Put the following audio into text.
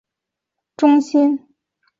圣伯多禄教区教堂位于卢比安纳市中心。